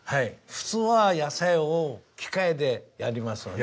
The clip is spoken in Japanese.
普通は野菜を機械でやりますよね。